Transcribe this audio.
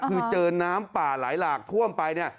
คือเจอน้ำป่าไหลหลากท่วมไปเนี่ย